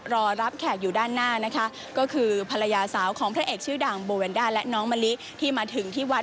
รอรับแขกอยู่ด้านหน้าก็คือภรรยาสาวพระเอกชื่อด่าง